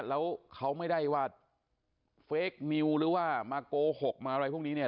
แล้วเขาไม่ได้ว่าเฟคนิวหรือว่ามาโกหกมาอะไรพวกนี้เนี่ย